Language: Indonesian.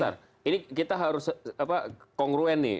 sebentar ini kita harus kongruen nih